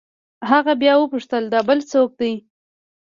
هغه بيا وپوښتل دا بل يې سوک دې.